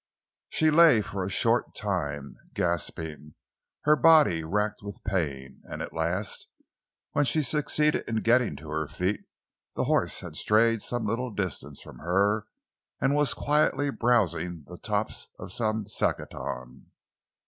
She lay for a short time, gasping, her body racked with pain, and at last, when she succeeded in getting to her feet, the horse had strayed some little distance from her and was quietly browsing the tops of some saccaton.